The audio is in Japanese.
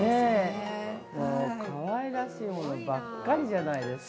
かわいらしいものばっかりじゃないですか。